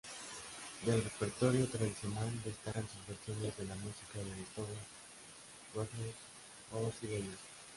Del repertorio tradicional destacan sus versiones de la música de Beethoven, Wagner o Sibelius.